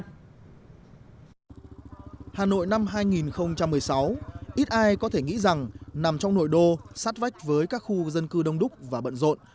hà nội năm hai nghìn một mươi sáu ít ai có thể nghĩ rằng nằm trong nội đô sát vách với các khu dân cư đông đúc và bận rộn